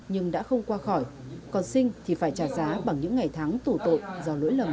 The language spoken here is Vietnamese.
nhưng đã không qua khỏi còn sinh thì phải trả giá bằng những ngày tháng tủ tội do lỗi lầm